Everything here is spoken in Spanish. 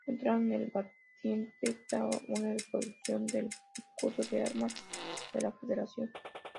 Centrado en el batiente está una reproducción del escudo de armas de la Federación.